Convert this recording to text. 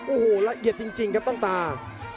โอ้โหละเอียดจริงครับต้องตา